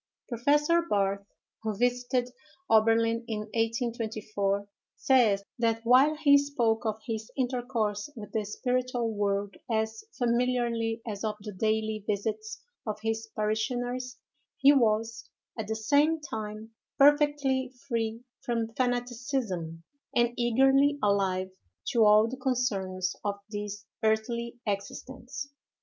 Professor Barthe, who visited Oberlin in 1824, says, that while he spoke of his intercourse with the spiritual world as familiarly as of the daily visits of his parishioners, he was at the same time perfectly free from fanaticism, and eagerly alive to all the concerns of this earthly existence.